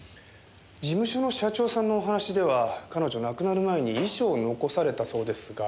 事務所の社長さんのお話では彼女亡くなる前に遺書を残されたそうですが。